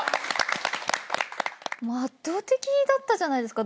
圧倒的だったじゃないですか。